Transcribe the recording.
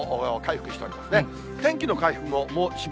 もう回復しておりますね。